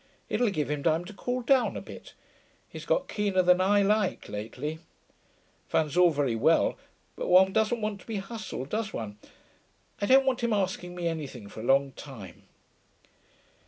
It'll give him time to cool down a bit. He's got keener than I like, lately. Fun's all very well, but one doesn't want to be hustled, does one? I don't want him asking me anything for a long time.'